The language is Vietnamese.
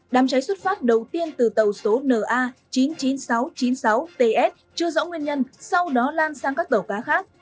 đám cháy xuất phát đầu tiên từ tàu số na chín mươi chín nghìn sáu trăm chín mươi sáu ts chưa rõ nguyên nhân sau đó lan sang các tàu cá khác